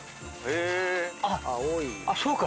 あっそうか。